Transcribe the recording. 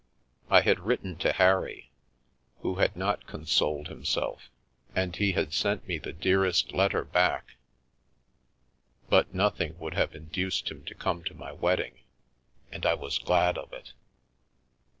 I had writ ten to Harry — who had not consoled himself — and he had sent me the dearest letter back, but nothing would have induced him to come to my wedding, and I was glad of it.